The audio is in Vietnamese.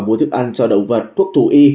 mua thức ăn cho động vật thuốc thủ y